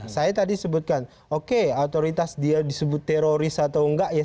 si yono salah satunya